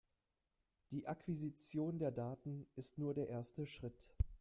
Die Akquisition der Daten ist nur der erste Schritt.